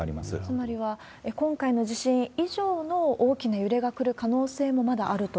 つまりは、今回の地震以上の大きな揺れが来る可能性もまだあると？